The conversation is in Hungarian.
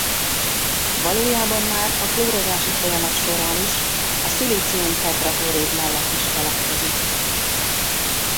Valójában már a klórozási folyamat során is a szilícium-tetraklorid mellett is keletkezik.